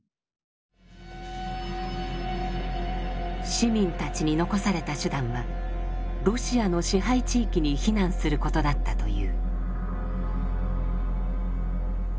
市民たちに残された手段はロシアの支配地域に避難することだったという。